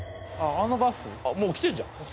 もう来てんじゃん。